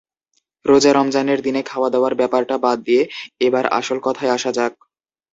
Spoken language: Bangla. রোজা-রমজানের দিনে খাওয়া-দাওয়ার ব্যাপারটা বাদ দিয়ে এবার আসল কথায় আসা যাক।